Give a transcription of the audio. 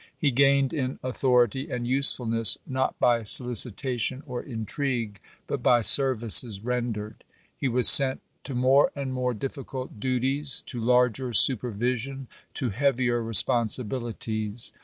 He gained in authority and usefulness not by solicitation or intrigue, but by services rendered. He was sent to more and more difficult duties, to larger supervision, to heavier responsi bilities.